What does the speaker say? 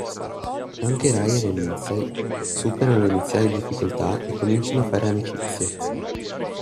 Anche Ryan e Lindsay superano le iniziali difficoltà e cominciano a fare amicizia.